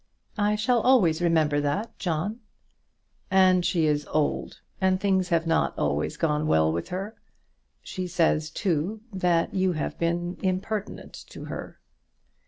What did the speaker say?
"I shall always remember that, John." "And she is old, and things have not always gone well with her. She says, too, that you have been impertinent to her."